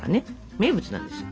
名物なんです。